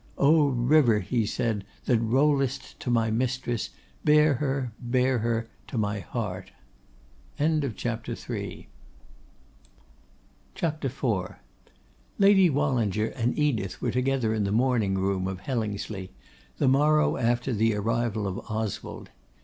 'O river!' he said, 'that rollest to my mistress, bear her, bear her my heart!' CHAPTER IV. Lady Wallinger and Edith were together in the morning room of Hellingsley, the morrow after the arrival of Oswald.